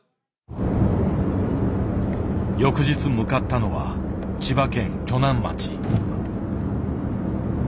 翌日向かったのは千葉県鋸南町。